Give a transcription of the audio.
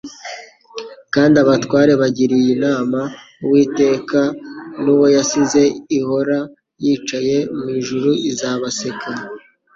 kandi abatware bagiriye inama Uwiteka n'nwo yasize... Ihora yicaye mu ijun izabaseka."»